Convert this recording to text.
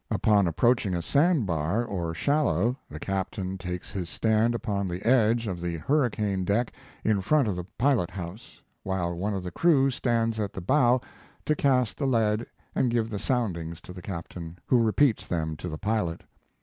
Upon approaching a sand bar or shallow, the captain takes his stand upon the edge of the hurricane deck, in front of the pilot house, while one of the crew stands at the bow to cast the lead and give the soundings to the captain, who repeats them to the pilot.